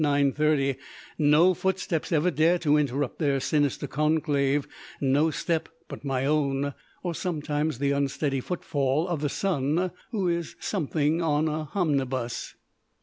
30, no footsteps ever dare to interrupt their sinister conclave, no step but my own, or sometimes the unsteady footfall of the son who "is something on a homnibus".